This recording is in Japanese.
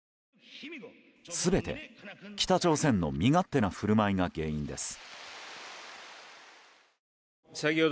全て北朝鮮の身勝手な振る舞いが原因です。